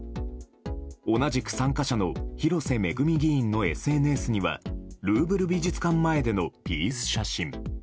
同じく参加者の広瀬めぐみ議員のＳＮＳにはルーブル美術館前でのピース写真。